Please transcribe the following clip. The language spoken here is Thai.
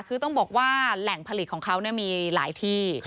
คือต้องบอกว่าแหล่งผลิตของเขามีหลายที่